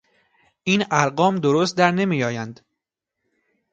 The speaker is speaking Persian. این ارقام درست در نمیآید.